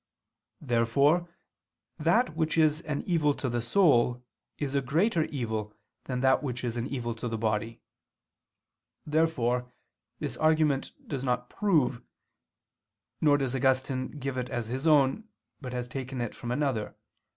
Therefore that which is an evil to the soul is a greater evil than that which is an evil to the body. Therefore this argument does not prove: nor does Augustine give it as his own, but as taken from another [*Cornelius Celsus].